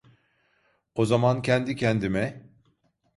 O zaman kendi kendime: